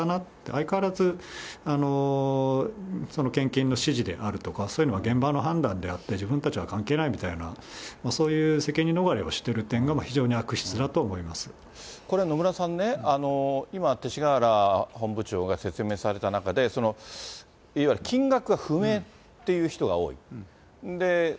相変わらず献金の指示であるとか、そういうのは現場の判断であって、自分たちは関係ないみたいな、そういう責任逃れをしてる点が、これ、野村さんね、今、勅使河原本部長が説明された中で、いわゆる金額が不明っていう人が多いと。